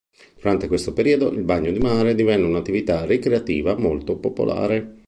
Durante questo periodo il bagno in mare divenne un'attività ricreativa molto popolare.